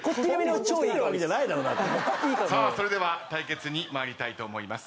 それでは対決に参りたいと思います。